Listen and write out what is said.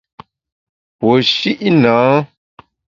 Puo shi’ nâ.